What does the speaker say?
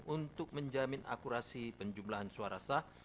untuk menjamin akurasi penjumlahan suara sah